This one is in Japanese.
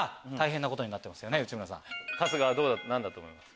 春日は何だと思いますか？